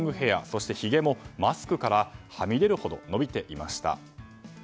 そしてひげもマスクからはみ出るほど伸びていました。